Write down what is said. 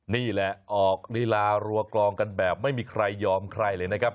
นี่แหละออกลีลารัวกลองกันแบบไม่มีใครยอมใครเลยนะครับ